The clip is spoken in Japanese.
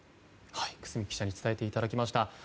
久須美記者に伝えていただきました。